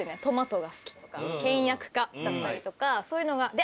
トマトが好きとか倹約家だったりとかそういうのが。